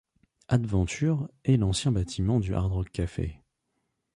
Adventure et l'ancien bâtiment du Hard Rock Cafe.